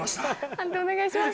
判定お願いします。